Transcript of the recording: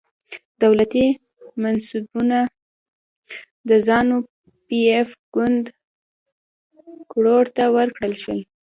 دولتي منصبونه د زانو پي ایف ګوند غړو ته ورکړل شول.